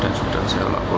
dan sudah saya lakukan